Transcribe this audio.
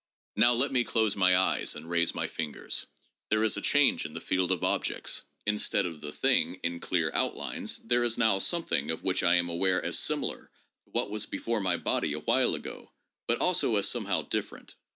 Now let me close my eyes and raise my fingers. There is a change in the field of objects. Instead of the thing in clear outlines, there is now something of which I am aware as similar to what was before my body a while ago, but also as somehow different.